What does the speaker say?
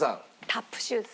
タップシューズ。